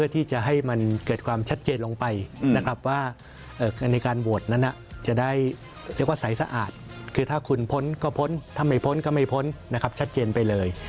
ถ้าไม่พ้นก็ไม่พ้นนะครับชัดเจนไปเลย